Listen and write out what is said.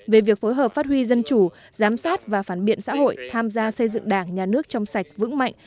về việc phối hợp phát huy dân chủ giám sát và phản biện xã hội tham gia xây dựng đảng nhà nước trong sạch vững mạnh